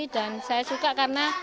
dan saya suka karena